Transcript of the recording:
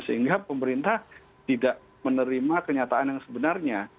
sehingga pemerintah tidak menerima kenyataan yang sebenarnya